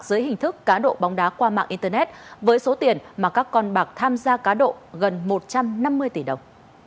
dưới hình thức cá độ bóng đá qua mạng internet với số tiền mà các con bạc tham gia cá độ gần một trăm năm mươi tỷ đồng